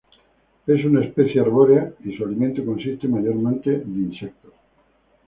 Es una especie arbórea y su alimento consiste mayormente de insectos.